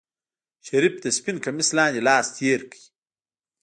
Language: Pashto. شريف د سپين کميس لاندې لاس تېر کړ.